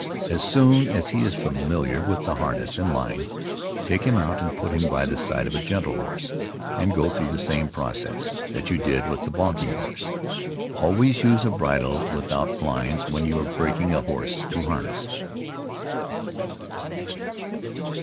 As soon as he is familiar with the harness and line, take him out and put him by the side of a gentle horse, and go through the same process that you did with the balking horse. Always use a bridle without blinds when you are breaking a horse to harness.